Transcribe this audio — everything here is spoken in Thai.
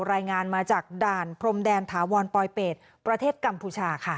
รายงานมาจากด่านพรมแดนถาวรปลอยเป็ดประเทศกัมพูชาค่ะ